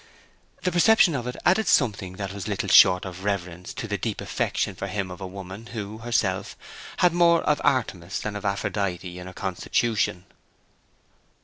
The perception of it added something that was little short of reverence to the deep affection for him of a woman who, herself, had more of Artemis than of Aphrodite in her constitution.